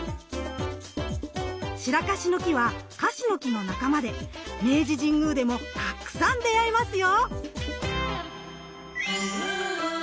シラカシの木はカシの木の仲間で明治神宮でもたくさん出会えますよ。